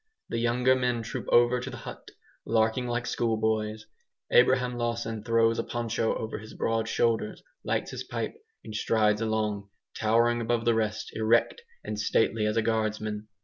The younger men troop over to the hut, larking like schoolboys. Abraham Lawson throws a poncho over his broad shoulders, lights his pipe, and strides along, towering above the rest, erect and stately as a guardsman.